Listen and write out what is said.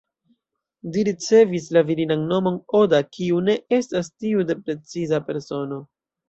Ĝi ricevis la virinan nomon ""Oda"", kiu ne estas tiu de preciza persono.